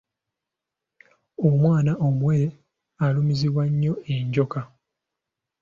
Omwana omuwere alumizibwa nnyo enjooka.